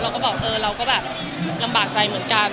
เราก็บอกเออเราก็แบบลำบากใจเหมือนกัน